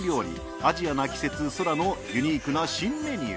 アジアな季節ＳＯＲＡのユニークな新メニュー。